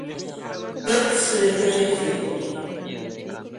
Petz le dio seis hijos.